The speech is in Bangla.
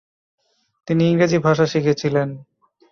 তিনি ইংরেজি ভাষা শিখেছিলেন।